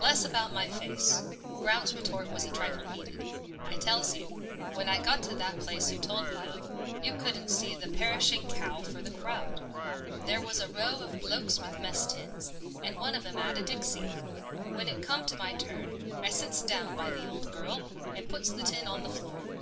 11 Less about my face." Brown's retort was a trifle heated. " I tells you, when I got to that there place you told me of — you couldn't see the perishing cow for the crowd. There was a row of blokes with mess tins, and one of 'em 'ad a dixie. When it come to my turn, I sits down by the old girl, and puts the tin on the floor.